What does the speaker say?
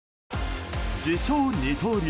自称二刀流